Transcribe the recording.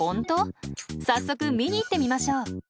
早速見に行ってみましょう。